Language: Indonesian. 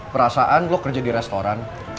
perasaan belum kerja di restoran